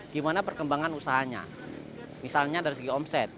gimana perkembangan usahanya misalnya dari segi omset